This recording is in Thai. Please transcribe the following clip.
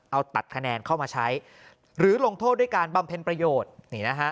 เอาตัดคะแนนเข้ามาใช้หรือลงโทษด้วยการบำเพ็ญประโยชน์นี่นะฮะ